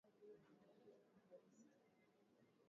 sababu mara nyingi tunakuwa tunatumika kama vile vitu vya anasa